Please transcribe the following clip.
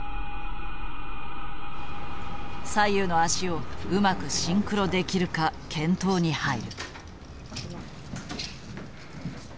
左右の足をうまくシンクロできるか検討に入る。